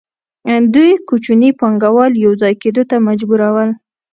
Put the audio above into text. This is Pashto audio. دوی کوچني پانګوال یوځای کېدو ته مجبورول